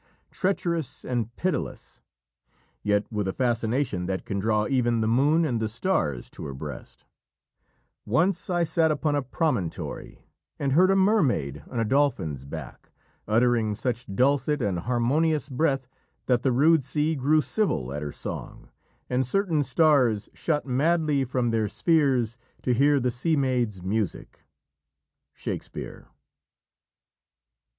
Treacherous and pitiless, yet with a fascination that can draw even the moon and the stars to her breast: "Once I sat upon a promontory, And heard a mermaid, on a dolphin's back, Uttering such dulcet and harmonious breath, That the rude sea grew civil at her song; And certain stars shot madly from their spheres, To hear the sea maid's music." Shakespeare.